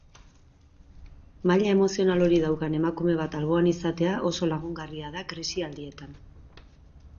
Maila emozional hori daukan emakume bat alboan izatea oso lagungarria da krisialdietan.